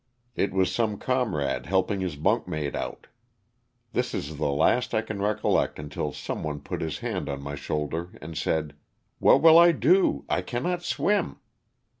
It was some comrade helping his bunkmate out. This is the last I can recol lect until some one put his hand on my shoulder and said, "What will I do? I cannot swim."